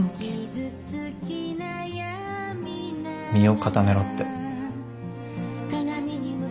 身を固めろって。